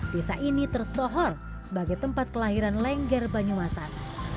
desa ini tersohor sebagai tempat kelahiran lengger banyumasan